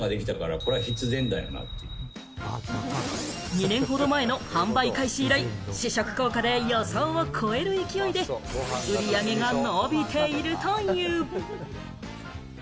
２年ほど前の販売開始以来、試食効果で予想を超えるいきおいで売り上げが伸びているという。